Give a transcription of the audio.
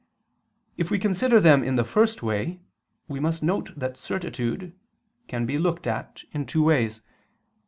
If we consider them in the first way, we must note that certitude can be looked at in two ways.